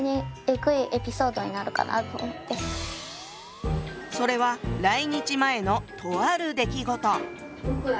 それは来日前のとある出来事。